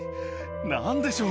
何でしょう